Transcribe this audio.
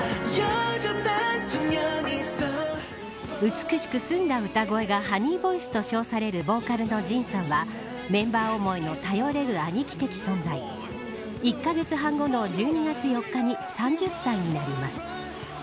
美しく澄んだ歌声がハニーボイスと称されるボーカルのＪＩＮさんはメンバー想いの頼れる兄貴的存在。１カ月半後の１２月４日に３０歳になります。